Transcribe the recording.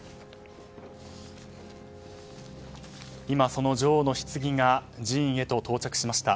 今、女王のひつぎが寺院へと到着しました。